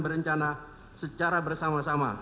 berencana secara bersama sama